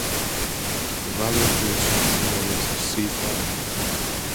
The rally included shouts from the audience of Sieg Heil!